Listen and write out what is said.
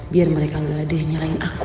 biar mereka enggak ada yang nyalahin aku